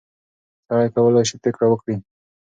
سړی کولای شي پرېکړه وکړي.